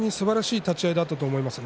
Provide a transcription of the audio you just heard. お互いすばらしい立ち合いだったと思います。